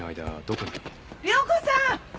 亮子さん！